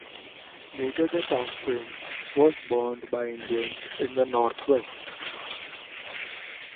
Later the "Tonquin" was burned by Indians in the northwest.